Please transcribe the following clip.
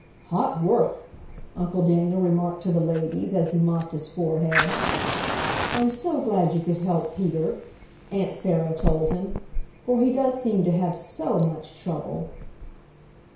"Hot work," Uncle Daniel remarked to the ladies, as he mopped his forehead. "I'm so glad you could help Peter," Aunt Sarah told him, "for he does seem to have SO much trouble."